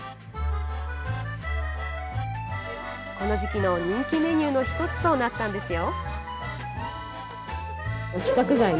この時期の人気メニューの１つとなったんですよ。